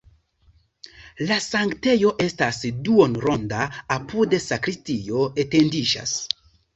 La sanktejo estas duonronda, apude sakristio etendiĝas.